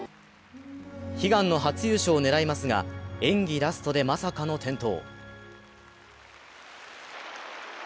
悲願の初優勝を狙いますが演技ラストでまさかの転倒。